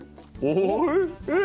おいしい。